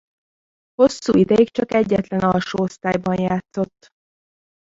Hosszú ideig csak egyetlen alsó osztályban játszott.